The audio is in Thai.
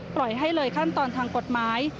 ปล่อยให้เลยขั้นตอนทางกฎหมาย